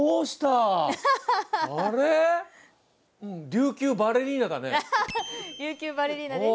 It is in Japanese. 琉球バレリーナです。